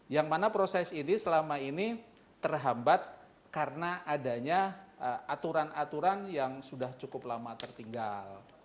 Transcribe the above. yang mana proses ini selama ini terhambat karena adanya aturan aturan yang sudah cukup lama tertinggal